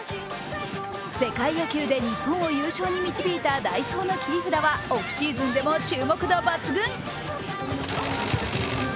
世界野球で日本を優勝に導いた代走の切り札はオフシーズンでも注目度抜群。